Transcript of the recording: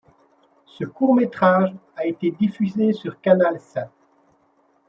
Ce court métrage a été diffusé sur Canalsat.